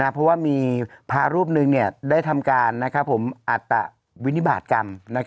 เพราะว่ามีพระรูปหนึ่งได้ทำการอัตวินิบาตกรรม